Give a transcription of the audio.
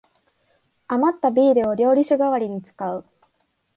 あまったビールを料理酒がわりに使う